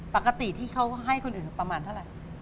ปกติที่เขาให้คนอื่นประมาณเท่าไหร่